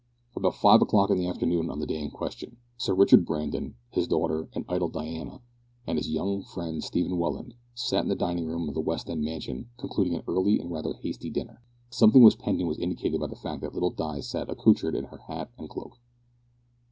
About five of the clock in the afternoon of the day in question, Sir Richard Brandon, his daughter and idol Diana, and his young friend Stephen Welland, sat in the dining room of the West end mansion concluding an early and rather hasty dinner. That something was pending was indicated by the fact that little Di sat accoutred in her hat and cloak.